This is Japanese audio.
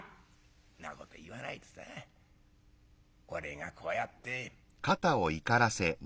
「んなこと言わないでさ俺がこうやって」。